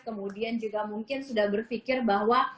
kemudian juga mungkin sudah berpikir bahwa